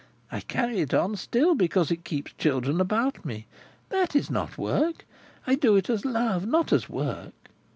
I carry it on still, because it keeps children about me. That is not work. I do it as love, not as work.